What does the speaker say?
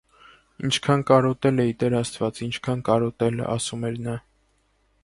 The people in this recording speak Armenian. ինչքա՛ն կարոտել էի, տեր աստված, ինչքա՛ն կարոտել,- ասում էր նա: